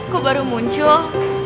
kok baru muncul